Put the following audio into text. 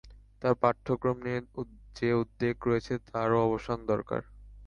তার পাঠ্যক্রম নিয়ে যে উদ্বেগ রয়েছে, তারও অবসান দরকার।